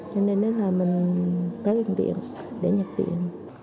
cho nên là mình tới bệnh viện để nhập viện